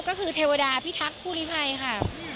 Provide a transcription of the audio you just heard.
ก็คือเทวดาพิทักษ์ผู้ลิภัยค่ะ